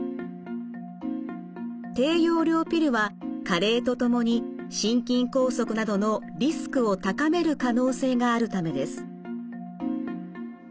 低用量ピルは加齢とともに心筋梗塞などのリスクを高める可能性があるためです。